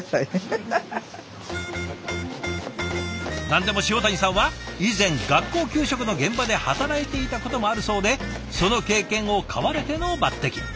何でも塩谷さんは以前学校給食の現場で働いていたこともあるそうでその経験を買われての抜てき。